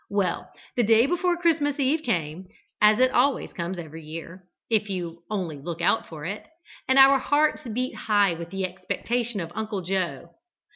Well, the day before Christmas Eve came as it always comes every year, if you only look out for it and our hearts beat high with expectation of Uncle Joe.